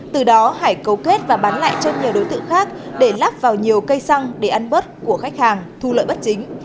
từ đó hải cấu kết và bán lại cho nhiều đối tượng khác để lắp vào nhiều cây xăng để ăn bớt của khách hàng thu lợi bất chính